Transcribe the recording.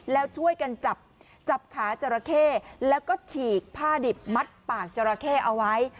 แล้วช่วยกันจับจับขาจราเข้แล้วก็ฉีกผ้าดิบมัดปากจราเข้เอาไว้